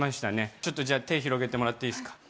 ちょっと手を広げてもらっていいですか？